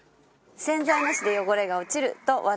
洗剤なしで汚れが落ちると話題のグッズです。